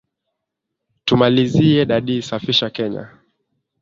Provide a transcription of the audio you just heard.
Tumalizie daddy safisha Kenya.